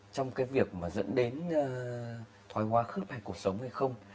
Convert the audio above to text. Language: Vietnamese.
trong việc dẫn đến thoái hóa khớp hay cuộc sống hay không